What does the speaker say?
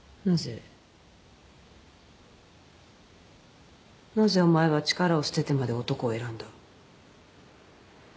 なぜお前は力を捨ててまで男を選んだ？